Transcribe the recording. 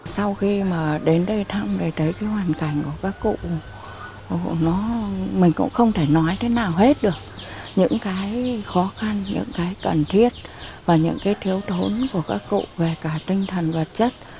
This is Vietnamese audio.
sau khi mà đến đây thăm để thấy cái hoàn cảnh của các cụ mình cũng không thể nói thế nào hết được những cái khó khăn những cái cần thiết và những cái thiếu thốn của các cụ về cả tinh thần vật chất